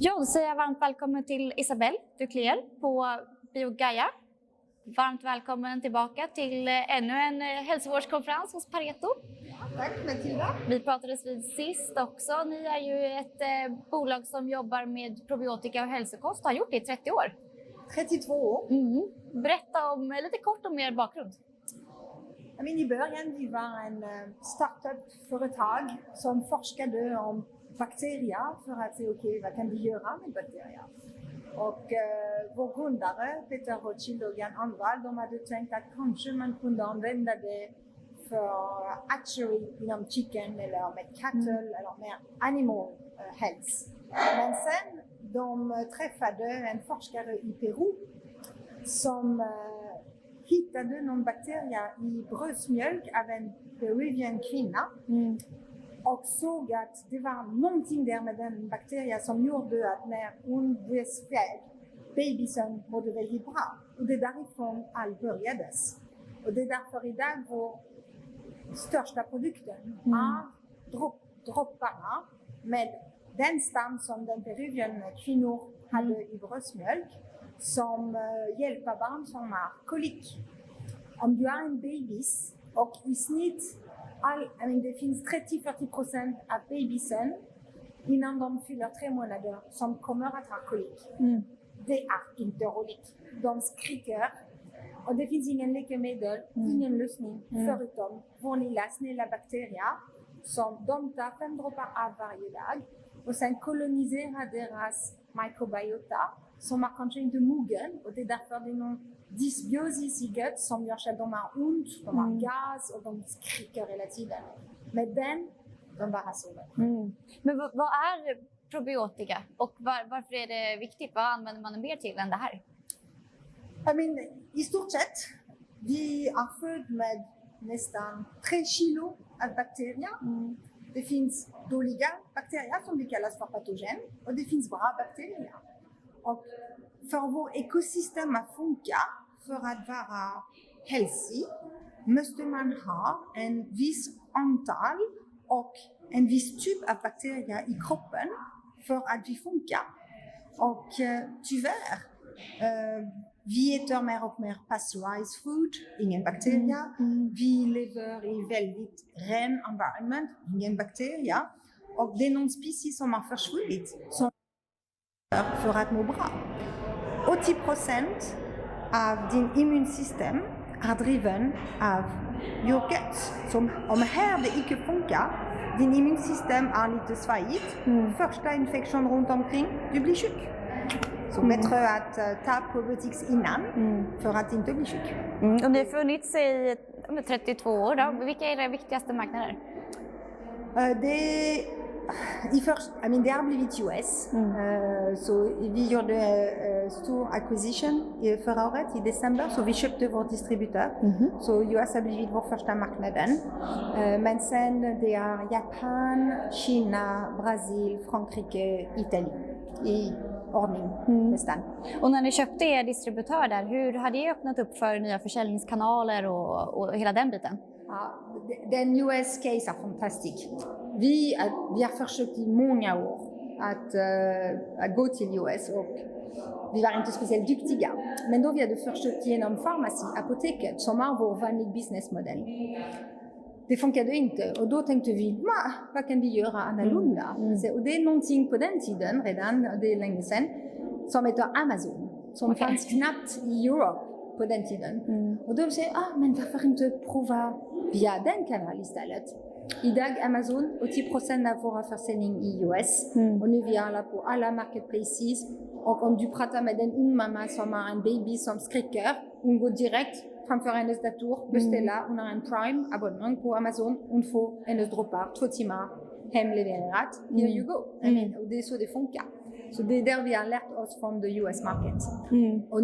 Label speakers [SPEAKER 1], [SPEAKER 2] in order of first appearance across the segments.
[SPEAKER 1] Ja, så säger jag varmt välkommen till Isabelle Ducellier på BioGaia. Varmt välkommen tillbaka till ännu en hälsovårdskonferens hos Pareto.
[SPEAKER 2] Tack, Matilda.
[SPEAKER 1] Vi pratades vid sist också. Ni är ju ett bolag som jobbar med probiotika och hälsokost och har gjort det i 30 år.
[SPEAKER 2] Trettiotvå.
[SPEAKER 1] Berätta om, lite kort om er bakgrund.
[SPEAKER 2] Jag menar i början, vi var en startup-företag som forskade om bakterier för att se okej, vad kan vi göra med bakterier? Vår grundare, Peter Rothschild och Jan Annwall, de hade tänkt att kanske man kunde använda det för actually inom chicken eller med cattle eller med animal health. Men sen de träffade en forskare i Peru som hittade någon bakterie i bröstmjölk av en Peruvian kvinna. Såg att det var någonting där med den bakterien som gjorde att när hon ges det, bebisen mådde väldigt bra. Det är därifrån allt började. Det är därför i dag vår största produkten är dropp-dropparna med den stam som den Peruvian kvinnor hade i bröstmjölk som hjälper barn som har kolik. Om du har en bebis och i snitt all, jag menar det finns 30%-40% av bebisar innan de fyller tre månader som kommer att ha kolik. Det är inte roligt. De skriker och det finns ingen läkemedel, ingen lösning förutom vår lilla snälla bakterier som de tar fem droppar av varje dag och sen koloniserar deras mikrobiota som har kanske inte mogen och det är därför det är någon dysbios i gut som gör att de har ont, de har gas och de skriker hela tiden. Med den, de bara sover.
[SPEAKER 1] Vad är probiotika? Och varför är det viktigt? Vad använder man det mer till än det här?
[SPEAKER 2] Jag menar i stort sett, vi är född med nästan 3 kilo av bakterier. Det finns dåliga bakterier som vi kallas för patogen och det finns bra bakterier. För vår ekosystem att funka för att vara hälsosam måste man ha en viss antal och en viss typ av bakterier i kroppen för att vi funkar. Tyvärr, vi äter mer och mer pasteurized food, ingen bakterie. Vi lever i väldigt ren environment, ingen bakteria. Det är någon species som har försvunnit som för att må bra. 80% av din immunsystem är driven av your gut. Om det här det inte funkar, din immunsystem är lite svagigt. Första infektion runtomkring, du blir sjuk. Bättre att ta probiotics innan för att inte bli sjuk.
[SPEAKER 1] Om det funnits i, ja men 32 år då, vilka är era viktigaste marknader?
[SPEAKER 2] Först, jag menar, det har blivit USA. Vi gjorde stor acquisition förra året i december. Vi köpte vår distributör. USA har blivit vår första marknaden. Men sen det är Japan, Kina, Brasilien, Frankrike, Italien i ordning nästan.
[SPEAKER 1] När ni köpte er distributör där, hur har det öppnat upp för nya försäljningskanaler och hela den biten?
[SPEAKER 2] Ja, den US case är fantastisk. Vi har försökt i många år att gå till US och vi var inte speciellt duktiga. Då vi hade försökt genom farmaci, apoteket, som var vår vanliga businessmodell. Det funkade inte och då tänkte vi: "Mah, vad kan vi göra annorlunda?" Det är någonting på den tiden redan, det är länge sen, som heter Amazon, som fanns knappt i Europa på den tiden. Då vi säger: "Ah, men varför inte prova via den kanalen istället?" Idag, Amazon, 80% av våra försäljning i US. Nu vi är på alla marketplaces. Om du pratar med en ung mamma som har en baby som skriker, hon går direkt framför hennes dator, beställer. Hon har en Prime-abonnemang på Amazon. Hon får hennes droppar 2 timmar hemlevererat. Here you go. Det är så det funkar. Det där vi har lärt oss from the U.S. market.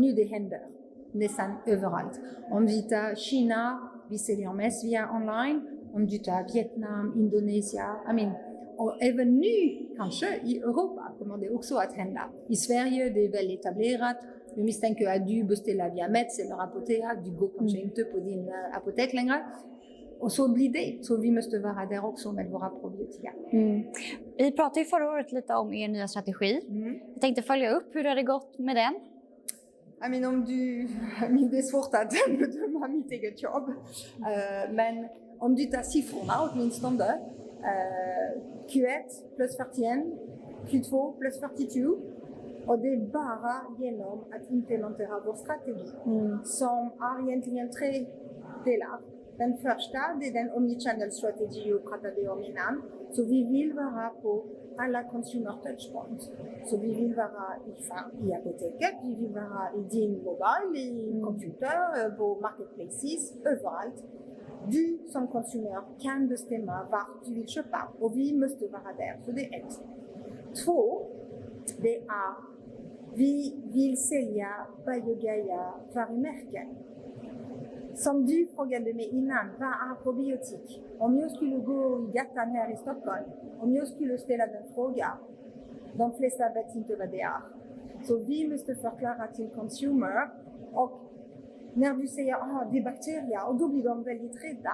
[SPEAKER 2] Nu det händer nästan överallt. Om du tar Kina, vi säljer mest via online. Om du tar Vietnam, Indonesia. Jag menar och även nu kanske i Europa kommer det också att hända. I Sverige, det är väl etablerat. Jag misstänker att du beställer via Meds eller Apotea. Du går kanske inte på din apotek längre. Så blir det. Vi måste vara där också med våra probiotika.
[SPEAKER 1] Vi pratade ju förra året lite om er nya strategi. Jag tänkte följa upp, hur har det gått med den?
[SPEAKER 2] Jag menar, det blir svårt att bedöma mitt eget jobb. Men om du tar siffrorna åtminstone, Q1 +41%, Q2 +42%. Det är bara genom att implementera vår strategi som har egentligen tre delar. Den första, det är den omnichannel-strategi vi pratade om innan. Vi vill vara på alla consumer touch points. Vi vill vara i apoteket, vi vill vara i din mobil, i din computer, vår marketplaces, överallt. Du som konsument kan bestämma var du vill köpa och vi måste vara där. Det är ett. Två, det är vi vill sälja BioGaia varumärken. Som du frågade mig innan, vad är probiotika? Om jag skulle gå i gatan här i Stockholm, om jag skulle ställa den fråga, de flesta vet inte vad det är. Vi måste förklara till consumer. När vi säger att det är bakterier och då blir de väldigt rädda.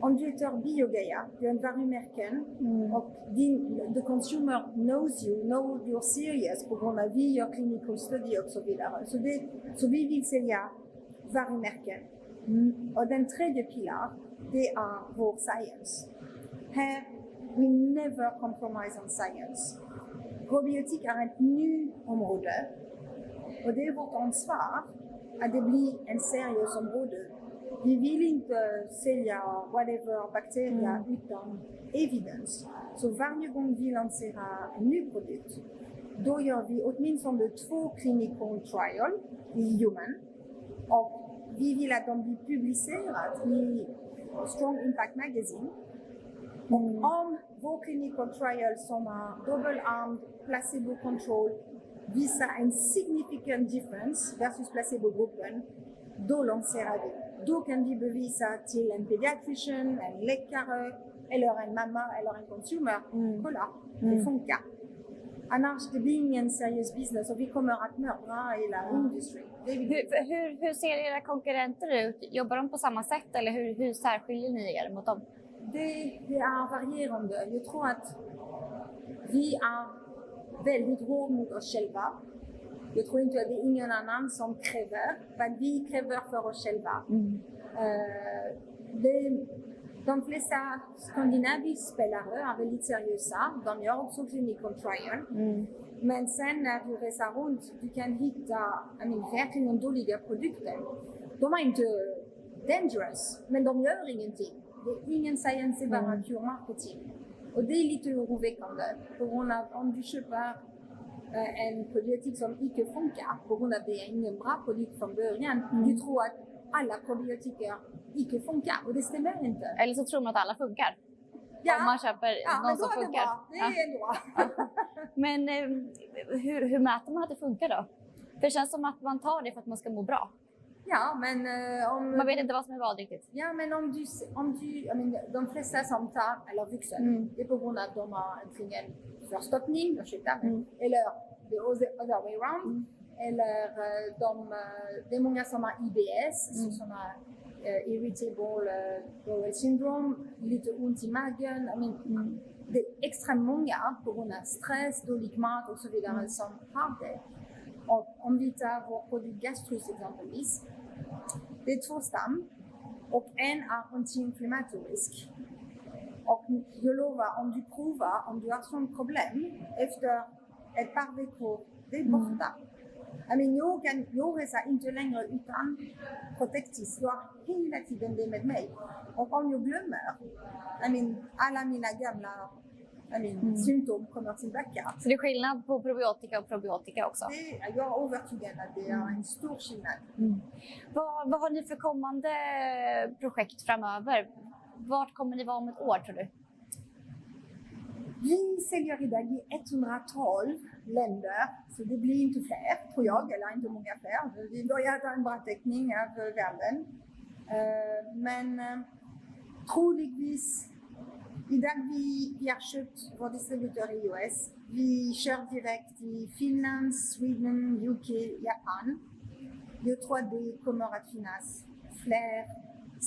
[SPEAKER 2] Om du tar BioGaia, det är en varumärke och the consumer knows you know you are serious på grund av vi gör clinical studies och så vidare. Vi vill sälja varumärken. Den tredje pilar, det är vår science. Här we never compromise on science. Probiotika är ett nytt område och det är vårt ansvar att det blir en seriös område. Vi vill inte sälja whatever bakterier utan evidence. Varje gång vi lanserar en ny produkt, då gör vi åtminstone två clinical trials i human. Vi vill att de blir publicerat i strong impact magazine. Om vår clinical trial som är double-blind placebo-controlled visar en significant difference versus placebo gruppen, då lanserar vi. Då kan vi bevisa till en pediatrician, en läkare eller en mamma eller en consumer. Kolla, det funkar. Annars det blir ingen serious business och vi kommer att mörka hela industry.
[SPEAKER 1] Hur ser era konkurrenter ut? Jobbar de på samma sätt eller hur särskiljer ni er mot dem?
[SPEAKER 2] Det är varierande. Jag tror att vi är väldigt hårda mot oss själva. Jag tror inte att det är ingen annan som kräver vad vi kräver för oss själva. De flesta Skandinavien spelare är väldigt seriösa. De gör också clinical trial. Sen när du reser runt, du kan hitta, jag menar, verkligen dåliga produkter. De är inte dangerous, men de gör ingenting. Det är ingen science, bara pure marketing. Det är lite oroväckande på grund av om du köper en probiotika som inte funkar på grund av det är ingen bra produkt från början. Du tror att alla probiotika inte funkar och det stämmer inte.
[SPEAKER 1] Tror man att alla funkar. Om man köper något som funkar.
[SPEAKER 2] Det är nog bra.
[SPEAKER 1] Hur mäter man att det funkar då? Det känns som att man tar det för att man ska må bra.
[SPEAKER 2] Ja, men om.
[SPEAKER 1] Man vet inte vad som är vanligt.
[SPEAKER 2] Men om du, I mean, de flesta som tar eller vuxen, det är på grund av att de har en problem med förstoppning, ursäkta mig, eller the other way around. Det är många som har IBS, som har irritable bowel syndrome, lite ont i magen. I mean, det är extremt många på grund av stress, dålig mat och så vidare som har det. Om du tar vår produkt Gastrus exempelvis, det är två stam och en är anti-inflammatorisk. Jag lovar, om du provar, om du har sådant problem, efter ett par veckor, det är borta. I mean, jag kan, jag reser inte längre utan Protectis. Jag har hela tiden det med mig. Om jag glömmer, I mean, alla mina gamla symptom kommer tillbaka.
[SPEAKER 1] Det är skillnad på probiotika och probiotika också?
[SPEAKER 2] Det, jag är övertygad att det är en stor skillnad.
[SPEAKER 1] Vad har ni för kommande projekt framöver? Vart kommer ni vara om ett år tror du?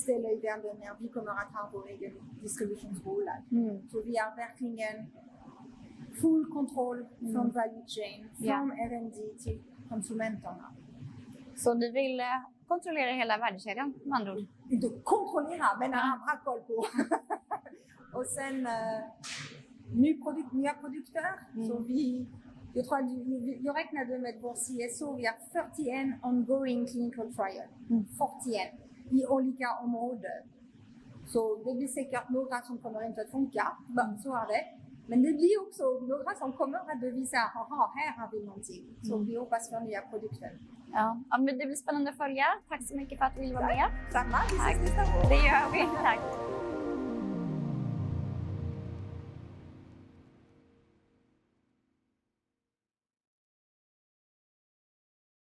[SPEAKER 2] Vi säljer idag i 112 länder, så det blir inte fler tror jag eller inte många fler. Vi börjar ta en bra täckning över världen. Men troligtvis, idag vi har köpt vår distributör i U.S. Vi kör direkt i Finland, Sweden, U.K., Japan. Jag tror det kommer att finnas fler säljvärden där vi kommer att ha vår egen distributionsroll. Vi har verkligen full kontroll från value chain, från R&D till konsumenterna.
[SPEAKER 1] Du vill kontrollera hela värdekedjan med andra ord?
[SPEAKER 2] Inte kontrollera, men ha bra koll på. Sen ny produkt, nya produkter. Vi, jag tror, jag räknade med vår CSO, vi har 41 ongoing clinical trial, 41 i olika områden. Det vi ser några som kommer inte funka, så är det. Det blir också några som kommer att bevisa att aha här har vi någonting. Vi hoppas på nya produkter.
[SPEAKER 1] Ja, men det blir spännande att följa. Tack så mycket för att du ville vara med.
[SPEAKER 2] Detsamma. Tack.
[SPEAKER 1] Det gör vi. Tack.